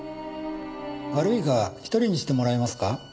悪いが一人にしてもらえますか。